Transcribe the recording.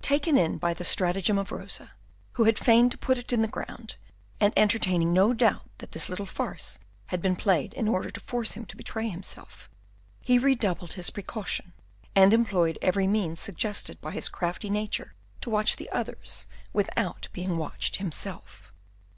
Taken in by the stratagem of Rosa, who had feigned to put it in the ground, and entertaining no doubt that this little farce had been played in order to force him to betray himself, he redoubled his precaution, and employed every means suggested by his crafty nature to watch the others without being watched himself.